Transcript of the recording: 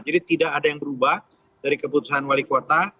jadi tidak ada yang berubah dari keputusan wali kota